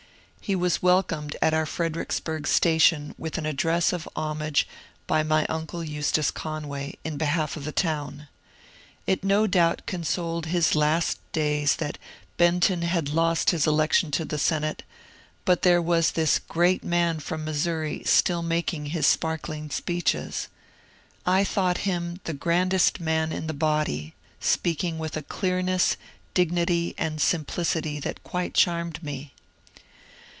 He was welcomed at our Fredericksburg station HORACE GREELEY'S ESSAYS 83 with an address of homage by my uncle Eustace Conway, in behalf of the town. It no doubt consoled his last days that Benton had lost his election to the Senate, but there was this great man from Missouri still making his sparkling speeches. I thought him the grandest man in the body — speaking with a clearness, dignity, and simplicity that quite charmed me.